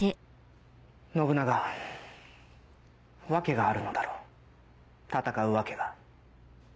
信長訳があるのだろう戦う訳が。